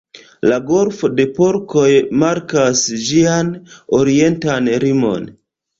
La Golfo de Porkoj markas ĝian orientan limon.